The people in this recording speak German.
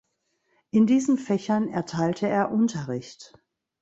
In diesen Fächern erteilte er Unterricht.